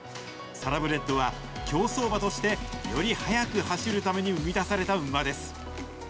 サラブレッドは、競走馬としてより速く走るために生み出された馬です。